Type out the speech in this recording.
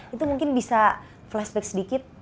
itu mungkin bisa flashback sedikit